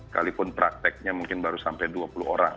kali pun prakteknya mungkin baru sampai dua puluh orang